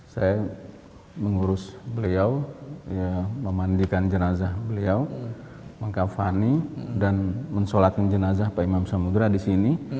saya mengurus beliau memandikan jenazah beliau mengkavani dan mensolatkan jenazah pak imam samudera disini